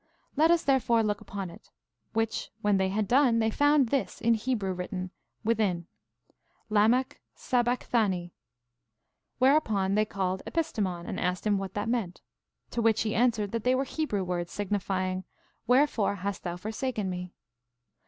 Let us, therefore, look upon it. Which when they had done, they found this in Hebrew written within, Lamach saba(ch)thani; whereupon they called Epistemon, and asked him what that meant. To which he answered that they were Hebrew words, signifying, Wherefore hast thou forsaken me?